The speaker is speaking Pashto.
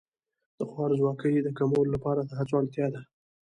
د خوارځواکۍ د کمولو لپاره د هڅو اړتیا ده.